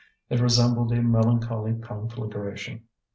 It resembled a melancholy conflagration.